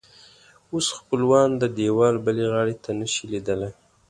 اوس خپلوان د دیوال بلې غاړې ته نه شي لیدلی.